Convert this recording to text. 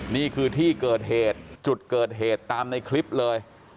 นี่คือที่เกิดเหตุจุดเกิดเหตุตามในคลิปเลย